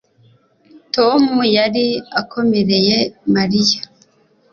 Tom yari akomereye Mariya